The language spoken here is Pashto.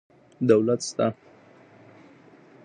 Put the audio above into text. دولت سته.